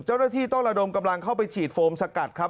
เจ้าหน้าที่ต้องระดมกำลังเข้าไปฉีดโฟมสกัดครับ